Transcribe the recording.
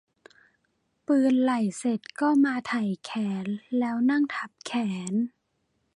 ปีนไหล่เสร็จก็มาไถแขนแล้วนั่งทับแขน